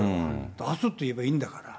出すと言えばいいんだから。